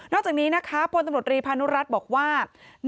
นอกจากนี้นะคะพตรีพานุรัติบอกว่า